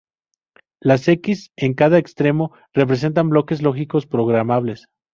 Las 'equis’ en cada extremo representan bloques lógicos programables.